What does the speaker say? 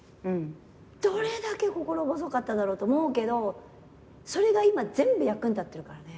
どれだけ心細かっただろうと思うけどそれが今全部役に立ってるからね。